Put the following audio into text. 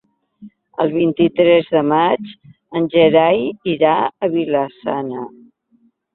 El vint-i-tres de maig en Gerai irà a Vila-sana.